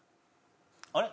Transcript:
あれ？